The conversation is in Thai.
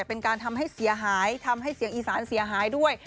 เป็นการทำให้เสียหายทำให้เสียงอีสานเสียหายด้วย